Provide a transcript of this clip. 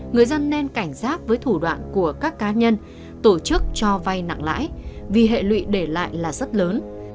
người dân nên cảnh giác với thủ đoạn của các cá nhân tổ chức cho vay nặng lãi vì hệ lụy để lại là rất lớn